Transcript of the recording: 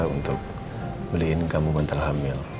untuk beliin kamu mental hamil